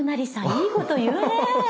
いいこと言うね。